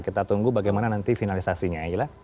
kita tunggu bagaimana nanti finalisasinya